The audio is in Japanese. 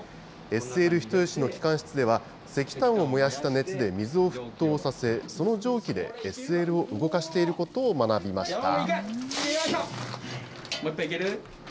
ＳＬ人吉の機関室では、石炭を燃やした熱で水を沸騰させ、その蒸気でＳＬを動かしていることを学びました。